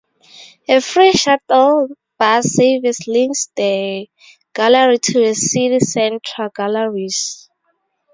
A free shuttle bus service links the gallery to the city centre galleries.